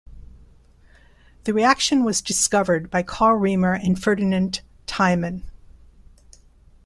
The reaction was discovered by Karl Reimer and Ferdinand Tiemann.